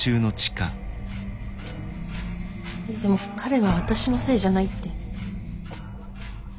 でも彼は私のせいじゃないって。